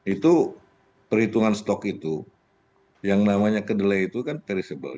itu perhitungan stok itu yang namanya kedelai itu kan perishable